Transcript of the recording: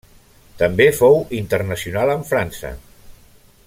També fou internacional amb França.